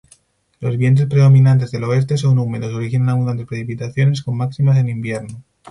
Los vientos predominantes del oeste son húmedos, originan abundantes precipitaciones con máximas en invierno.